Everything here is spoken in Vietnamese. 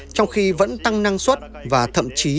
trong khi vẫn tăng năng suất và thậm chí